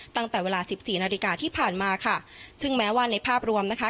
ตั้งแต่เวลาสิบสี่นาฬิกาที่ผ่านมาค่ะซึ่งแม้ว่าในภาพรวมนะคะ